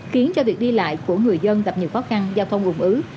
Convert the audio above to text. khiến cho việc đi lại của người dân tập nhiều khó khăn giao thông gồm ứ